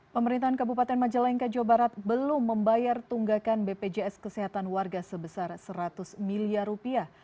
pemerintahan kabupaten majalengka jawa barat belum membayar tunggakan bpjs kesehatan warga sebesar seratus miliar rupiah